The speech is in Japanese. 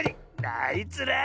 あいつら。